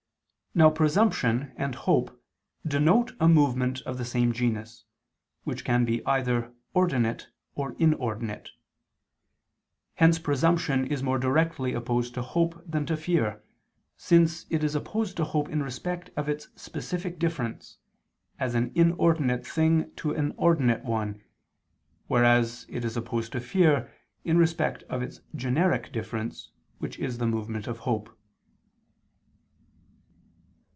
Now presumption and hope denote a movement of the same genus, which can be either ordinate or inordinate. Hence presumption is more directly opposed to hope than to fear, since it is opposed to hope in respect of its specific difference, as an inordinate thing to an ordinate one, whereas it is opposed to fear, in respect of its generic difference, which is the movement of hope.